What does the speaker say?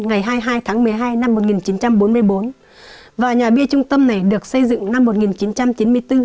ngày hai mươi hai tháng một mươi hai năm một nghìn chín trăm bốn mươi bốn và nhà bia trung tâm này được xây dựng năm một nghìn chín trăm chín mươi bốn